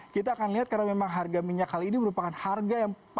kita akan lihat karena memang harga minyak kali ini merupakan harga yang paling